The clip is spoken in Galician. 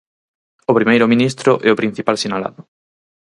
O primeiro ministro é o principal sinalado.